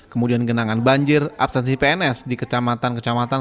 kemudian genangan banjir absensi pns di kecamatan kecamatan